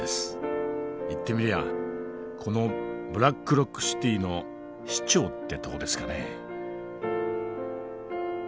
言ってみりゃこのブラックロック・シティの市長ってとこですかね。